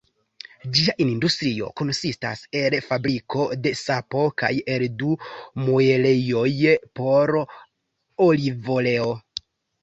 Ĝia industrio konsistis el fabriko de sapo kaj el du muelejoj por olivoleo.